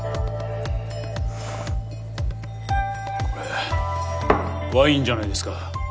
これワインじゃないですか。